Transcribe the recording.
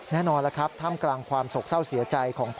แน่นอนแล้วครับท่ามกลางความโศกเศร้าเสียใจของพ่อ